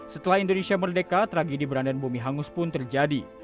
setelah indonesia merdeka tragedi berandan bumi hangus pun terjadi